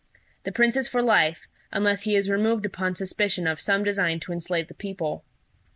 The Prince is for life, unless he is removed upon suspicion of some design to enslave the people.